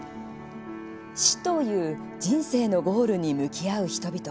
死という人生のゴールに向き合う人々。